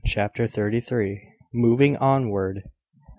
CHAPTER THIRTY THREE. MOVING ONWARD.